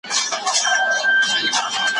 هغه د ناپېژندل سوي سړي په بڼه بهر ته لاړ.